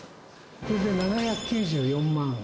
これで７９４万。